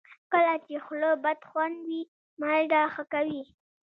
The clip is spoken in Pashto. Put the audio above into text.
کله چې خوله بدخوند وي، مالګه ښه کوي.